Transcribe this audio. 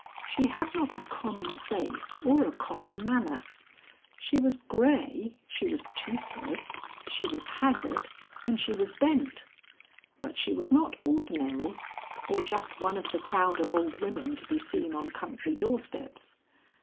She had not a common face or a common manner. She was gray, she was toothless, she was haggard, and she was bent, but she was not ordinary or just one of the crowd of old women to be seen on country doorsteps.